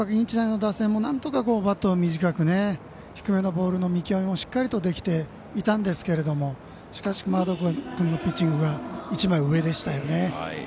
日大の打線もなんとかバットを短く低めのボールの見極めもしっかりとできていたんですがマーガード君のピッチングが一枚上でしたよね。